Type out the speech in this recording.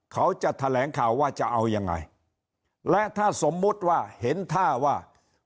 เขาจะแถลงข่าวว่าจะเอายังไงและถ้าสมมุติว่าเห็นท่าว่า